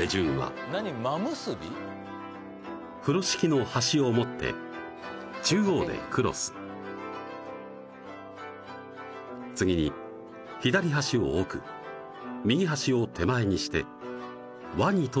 風呂敷の端を持って中央でクロス次に左端を奥右端を手前にして輪に通して結びます